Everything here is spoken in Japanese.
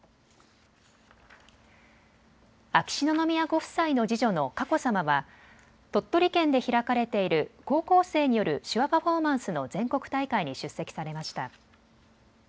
秋篠宮ご夫妻の次女の佳子さまは鳥取県で開かれている高校生による手話パフォーマンスの全国大会に出席されました。